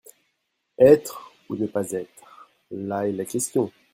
Être ou ne pas être, là est la question.